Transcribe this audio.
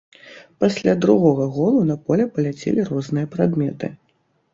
Пасля другога голу на поле паляцелі розныя прадметы.